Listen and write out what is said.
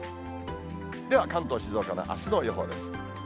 では関東、静岡のあすの予報です。